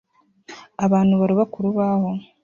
Abantu baroba kurubaho